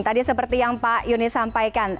tadi seperti yang pak yuni sampaikan